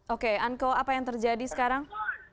oke anco apa yang terjadi sekarang